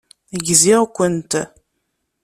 Gziɣ-kent.